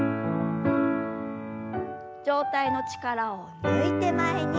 上体の力を抜いて前に。